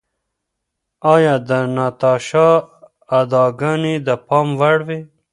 ایا د ناتاشا اداګانې د پام وړ وې؟